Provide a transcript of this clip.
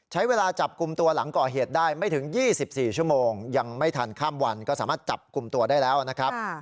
ใช้เวลาจับกลุ่มตัวหลังก่อเหตุได้ไม่ถึง๒๔ชั่วโมงยังไม่ทันข้ามวันก็สามารถจับกลุ่มตัวได้แล้วนะครับ